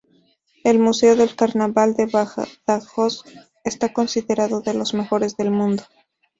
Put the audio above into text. El Museo del Carnaval de Badajoz está considerado de los mejores del mundo.